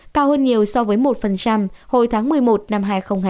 cao hơn nhiều so với một hồi tháng một mươi một năm hai nghìn hai mươi hai